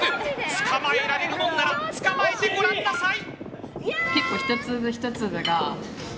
つかまえられるものならつかまえてごらんなさい！